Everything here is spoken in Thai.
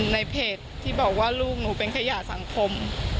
ในเพจที่บอกว่าลูกหนูเป็นขยะสังคม